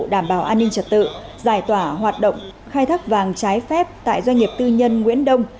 đảm bảo an ninh trật tự giải tỏa hoạt động khai thác vàng trái phép tại doanh nghiệp tư nhân nguyễn đông